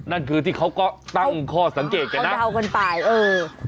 นั่นคือที่เขาก็ตั้งข้อสังเกตกันนะโอ้โฮค่อยเท่าก่อนไปเออ